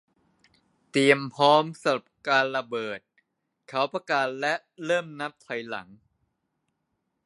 เตรียมพร้อมสำหรับการระเบิดเขาประกาศและเริ่มนับถอยหลัง